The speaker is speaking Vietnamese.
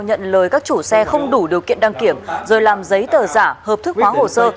nhận lời các chủ xe không đủ điều kiện đăng kiểm rồi làm giấy tờ giả hợp thức hóa hồ sơ